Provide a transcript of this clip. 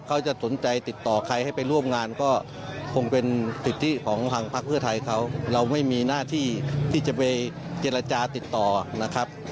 เขาจะสนใจติดต่อใครให้ไปร่วมงานก็คงเป็นสิทธิของทางพักเพื่อไทยเขาเราไม่มีหน้าที่ที่จะไปเจรจาติดต่อนะครับ